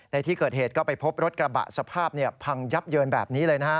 ในที่เกิดเหตุก็ไปพบรถกระบะสภาพพังยับเยินแบบนี้เลยนะฮะ